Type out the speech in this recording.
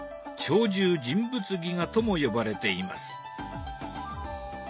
「鳥獣人物戯画」とも呼ばれています。